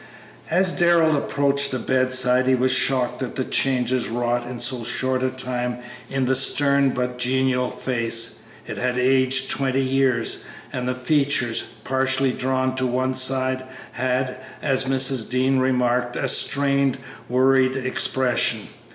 As Darrell approached the bedside he was shocked at the changes wrought in so short a time in the stern, but genial face. It had aged twenty years, and the features, partially drawn to one side, had, as Mrs. Dean remarked, a strained, worried expression.